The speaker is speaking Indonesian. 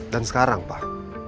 dan sekarang pak